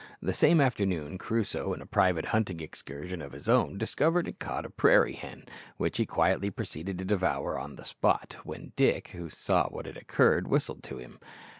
The same afternoon Crusoe, in a private hunting excursion of his own, discovered and caught a prairie hen, which he quietly proceeded to devour on the spot, when Dick, who saw what had occurred, whistled to him.